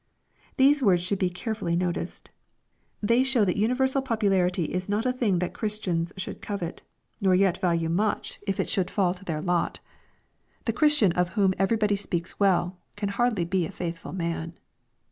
] These woras should be care fully noticed. They show that universal popularity is not a thing that Christians should :ovet, nor yet value much if it LUKE, CHAP. XXL 3t)7 thould fall to their lot. The Christian of whom everybody speaki well, can hardly be a faithful man.